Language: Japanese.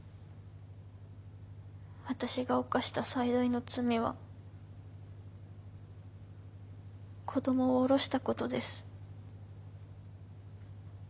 私が犯した最大の罪は子供をおろしたことです。